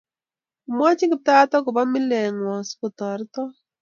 Omwonjin Kiptayat akoba milet ng'wo sikotoritok